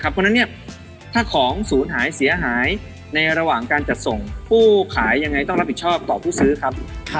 เพราะฉะนั้นถ้าของศูนย์หายเสียหายในระหว่างการจัดส่งผู้ขายยังไงต้องรับผิดชอบต่อผู้ซื้อครับ